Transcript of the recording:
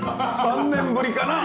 ３年ぶりかな！？